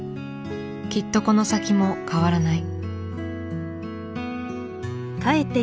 きっとこの先も変わらない。